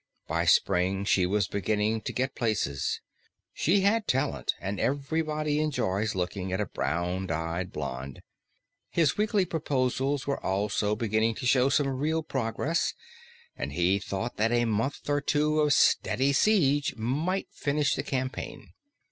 By spring she was beginning to get places; she had talent and everybody enjoys looking at a brown eyed blonde. His weekly proposals were also beginning to show some real progress, and he thought that a month or two of steady siege might finish the campaign.